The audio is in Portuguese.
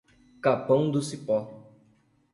Capão do Cipó